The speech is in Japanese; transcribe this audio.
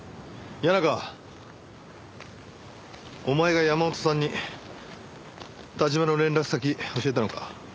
谷中お前が山本さんに田島の連絡先教えたのか？